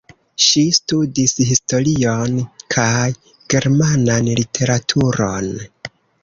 Ŝi studis historion kaj Germanan literaturon.